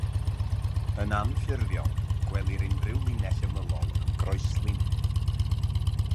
Yn anffurfiol, gelwir unrhyw linell ymylol yn groeslin.